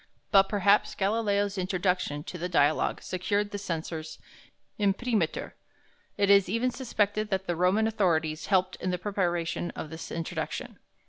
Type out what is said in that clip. But perhaps Galileo's introduction to the "Dialogue" secured the censor's imprimatur; it is even suspected that the Roman authorities helped in the preparation of this introduction.